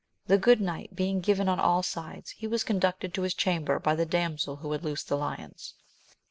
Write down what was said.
The good night being given on all sides, he was conducted to his chamber by the damsel who had loosed the lions.